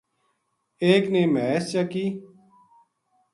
ایک نے مھیس چاکی